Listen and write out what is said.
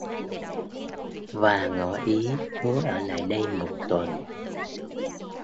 Và ngỏ ý muốn ở lại đây một tuần